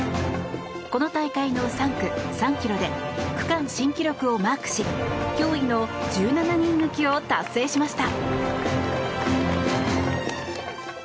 この大会の３区、３ｋｍで区間新記録をマークし驚異の１７人抜きを達成しました。